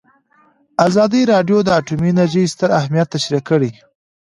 ازادي راډیو د اټومي انرژي ستر اهميت تشریح کړی.